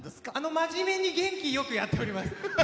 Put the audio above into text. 真面目に元気よくやっております。